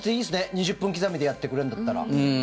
２０分刻みでやってくれるんだったら。